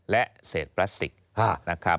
และเศษพลาสติกนะครับ